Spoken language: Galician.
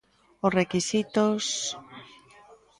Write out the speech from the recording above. Os requisitos...